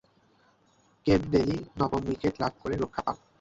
কেন ডেলি নবম উইকেট লাভ করে রক্ষা পান।